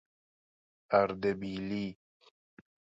اردبیلی